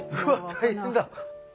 大変だ！